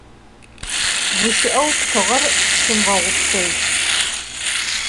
Guşı'eu ptığer şımığupşej.